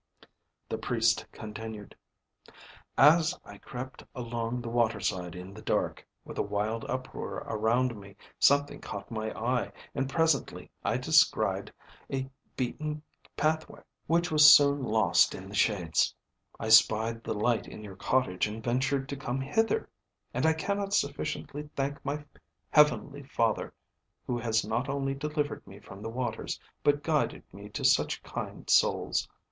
The Priest continued: "As I crept along the water side in the dark, with a wild uproar around me, something caught my eye, and presently I descried a beaten pathway, which was soon lost in the shades; I spied the light in your cottage, and ventured to come hither; and I cannot sufficiently thank my heavenly Father, who has not only delivered me from the waters, but guided me to such kind souls.